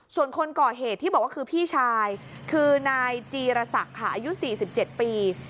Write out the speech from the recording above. ส่วนคนก่อเหตุที่บอกว่าคือพี่ชายคือนายจีรศักดิ์ค่ะอายุ๔๗ปี